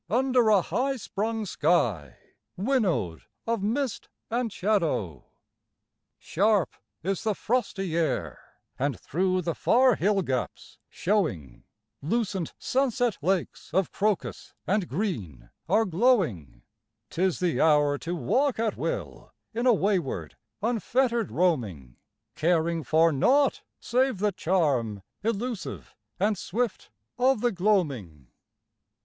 Under a high sprung sky, winnowed of mist and shadow. Sharp is the frosty air, and through the far hill gaps showing Lucent sunset lakes of crocus and green are glowing ; 'Tis the hour to walk at will in a wayward, unfettered roaming, Caring for naught save the charm, elusive and swift, of the gloaming.